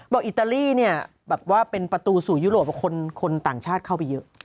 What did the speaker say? อิตาลีเนี่ยแบบว่าเป็นประตูสู่ยุโรปคนต่างชาติเข้าไปเยอะ